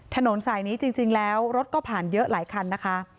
ถนนสายนี้จริงแล้วรถก็ผ่านเยอะหลายคันนะคะ